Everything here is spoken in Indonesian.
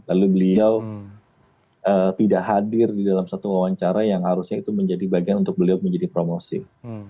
lalu beliau tidak hadir di dalam satu wawancara yang harusnya itu menjadi bagian untuk beliau menjadi promosif